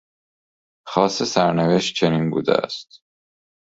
خواست سرنوشت چنین بوده است.